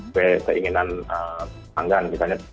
seperti keinginan panggang misalnya